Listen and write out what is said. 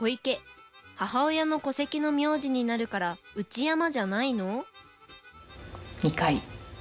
母親の戸籍の名字になるから内山じゃないの？